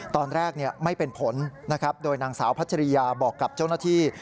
ตอนแรกไม่เป็นผลนะครับโดยนางสาวพัชริยาบอกกับเจ้าหน้าที่